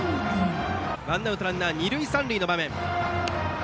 ワンアウトランナー、二塁三塁の場面。